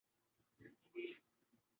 matches پہ مشتمل series تھی